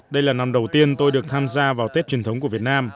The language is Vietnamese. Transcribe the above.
đây là năm đầu tiên tôi được tham gia vào tết truyền thống của việt nam